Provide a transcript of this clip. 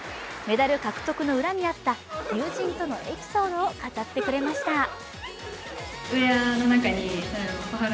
メダル獲得の裏にあった友人とのエピソードを語ってくれました。